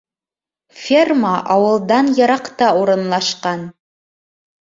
Ферма ауылдан йыраҡта урынлашҡан.